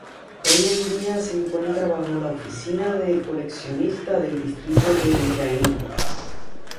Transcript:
Hoy en día se encuentra bajo la oficina de coleccionista del distrito de Ujjain.